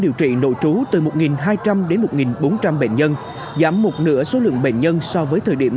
điều trị nội trú từ một hai trăm linh đến một bốn trăm linh bệnh nhân giảm một nửa số lượng bệnh nhân so với thời điểm